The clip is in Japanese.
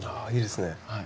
あいいですね。